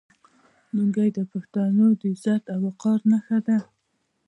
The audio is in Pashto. لونګۍ د پښتنو د عزت او وقار نښه ده.